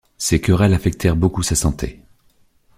Ces querelles affectèrent beaucoup sa santé.